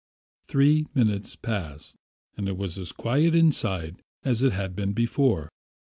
Three minutes passed and it was as quiet inside as it had been before.